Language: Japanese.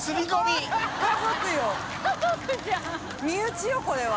身内よこれは。